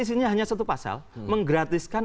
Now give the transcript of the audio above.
isinya hanya satu pasal menggratiskan